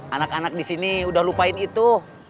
anak anak di sini udah lupain itu